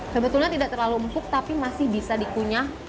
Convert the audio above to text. sebetulnya tidak terlalu empuk tapi masih bisa dikunyah